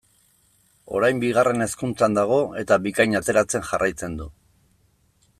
Orain Bigarren Hezkuntzan dago eta Bikain ateratzen jarraitzen du.